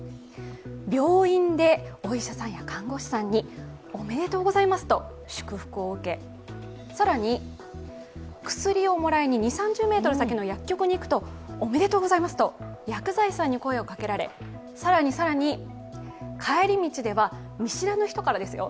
病院でお医者さんや看護士さんにおめでとうございますと祝福を受け、更に薬をもらいに２０３０ｍ先の薬局に行くとおめでとうございますと薬剤師さんに声をかけられ、更に更に、帰り道では見知らぬ人からですよ？